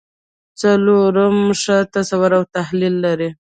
څلورم ښه تصور او تحلیل لري.